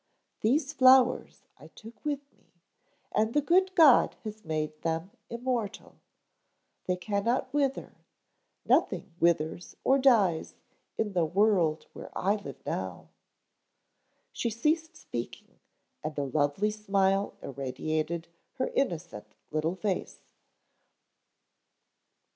These flowers I took with me, and the good God has made them immortal. They cannot wither. Nothing withers or dies in the world where I live now." She ceased speaking and a lovely smile irradiated her innocent little face.